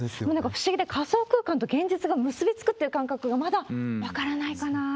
なんだか不思議で、仮想空間と現実が結び付くという間隔がまだ分からないかな。